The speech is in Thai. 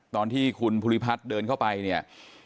ตอนที่คุณภูริพัฒน์เดินเข้าไปเนี่ย